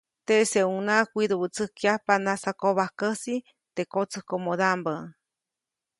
Teʼseʼuŋnaʼajk widuʼwätsäjkya nasakobajkäsi teʼ kotsäjkomodaʼmbä.